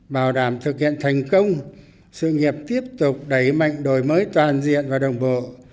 bảo đảm thực hiện thành công sự nghiệp tiếp tục đẩy mạnh đổi mới toàn diện và đồng bộ